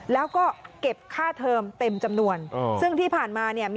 แล้วก็เก็บค่าเทอมเต็มจำนวนซึ่งที่ผ่านมาเนี่ย